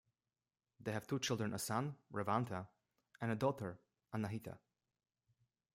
They have two children, a son, Revanta and a daughter Anahita.